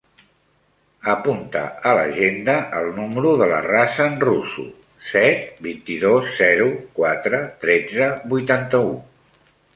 Apunta a l'agenda el número de la Razan Rusu: set, vint-i-dos, zero, quatre, tretze, vuitanta-u.